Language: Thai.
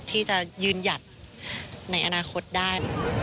ที่จะยืนหยัดในอนาคตได้